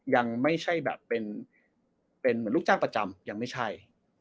ยังไม่ใช่แบบเป็นเหมือนลูกจ้างประจำยังไม่ใช่